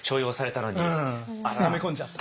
ため込んじゃった。